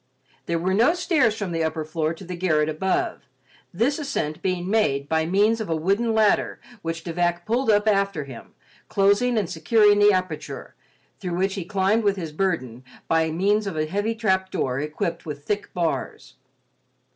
There were no stairs from the upper floor to the garret above, this ascent being made by means of a wooden ladder which De Vac pulled up after him, closing and securing the aperture, through which he climbed with his burden, by means of a heavy trapdoor equipped with thick bars.